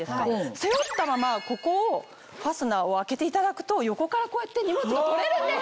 背負ったままここをファスナーを開けていただくと横からこうやって荷物が取れるんです。